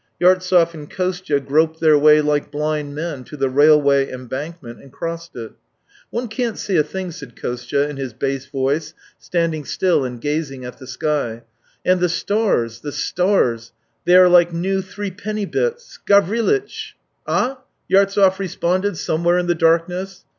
Yartsev and Kostya groped their way like blind men to the railway embankment and crossed it. " One can't see a thing," said Kostya in his bass voice, standing still and gazing at the sky. " And the stars, the stars, they are like new threepenny bits. Gavrilitch !"" Ah ?" Yartsev responded somewhere in the darkness.